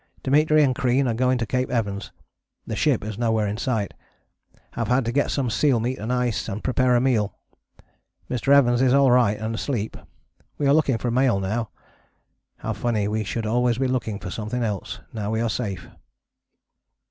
Dimitri and Crean are going to Cape Evans: the ship is nowhere in sight. Have had to get some seal meat and ice and prepare a meal. Mr. Evans is alright and asleep. We are looking for a mail now. How funny we should always be looking for something else, now we are safe.